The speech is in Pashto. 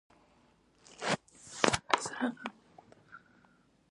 دا چیغه له پوهې څخه راولاړېږي.